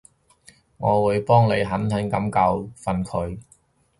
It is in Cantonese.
我會幫你狠狠噉教訓佢